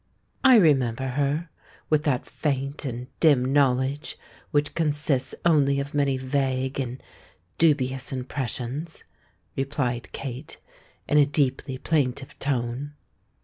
"I remember her, with that faint and dim knowledge which consists only of many vague and dubious impressions," replied Kate, in a deeply plaintive tone.